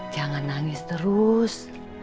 jangan nangis terus